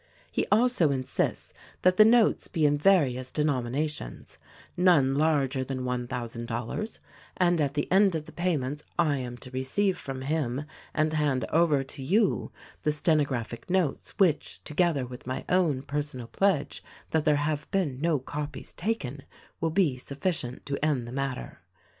"He also insists that the notes be in various denomina tions, none larger than one thousand dollars, and at the end of the payments I am to receive from him, and hand over to you the stenographic notes which, together with my own personal pledge that there have been no copies taken, will be sufficient to end the matter.